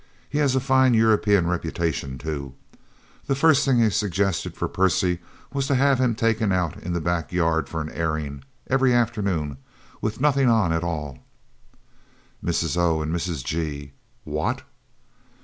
He has a fine European reputation, too. The first thing he suggested for Percy was to have him taken out in the back yard for an airing, every afternoon, with nothing at all on." Mrs. O. and Mrs. G. "What!"